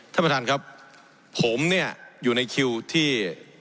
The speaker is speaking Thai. ท่านประธานครับผมเนี่ยอยู่ในคิวที่